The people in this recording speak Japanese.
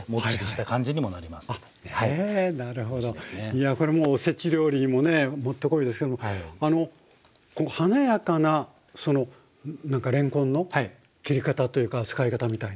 いやこれもうお節料理にもね持ってこいですけどもこの華やかなその何かれんこんの切り方というか使い方みたいな。